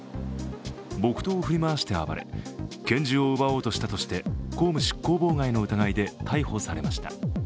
木刀を振り回して暴れ、拳銃を奪おうとしたとして公務執行妨害の疑いで逮捕されました。